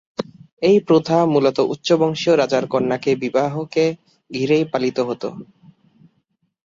এই প্রথা মুলত উচ্চবংশীয় রাজার কন্যাকে বিবাহকে ঘিরেই পালিত হত।